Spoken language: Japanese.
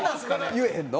言えへんの？